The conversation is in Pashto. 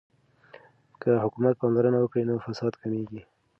که حکومت پاملرنه وکړي نو فساد کمیږي.